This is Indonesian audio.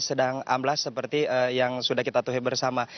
sedang amblas seperti yang sudah kita tuh bersama